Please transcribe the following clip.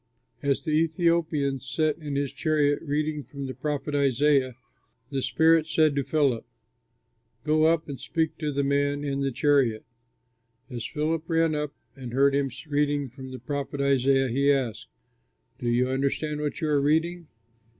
As the Ethiopian sat in his chariot reading from the prophet Isaiah, the Spirit said to Philip, "Go up and speak to the man in the chariot." As Philip ran up and heard him reading from the prophet Isaiah, he asked, "Do you understand what you are reading?"